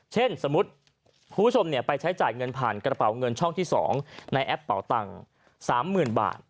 เช่นสมมุติคุณผู้ชมไปใช้จ่ายเงินผ่านกระเป๋าเงินช่องที่๒ในแอปเป่าตังค์๓๐๐๐บาท